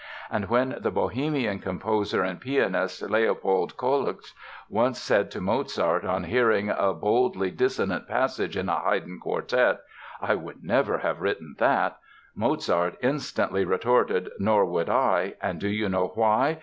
And when the Bohemian composer and pianist, Leopold Kozeluch, once said to Mozart on hearing a boldly dissonant passage in a Haydn quartet: "I would never have written that," Mozart instantly retorted: "Nor would I! And do you know why?